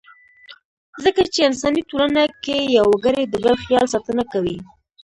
ځکه چې انساني ټولنه کې يو وګړی د بل خیال ساتنه کوي.